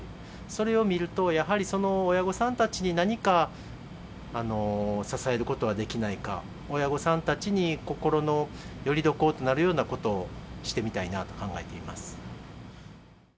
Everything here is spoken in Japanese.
それを見ると、やはりその親御さんたちに何か支えることはできないか、親御さんたちに心のよりどころとなるようなことをしてみたいなと考えています。